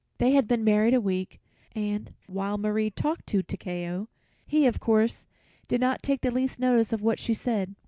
They had been married a week, and, while Marie talked to Takeo, he, of course, did not take the least notice of what she said.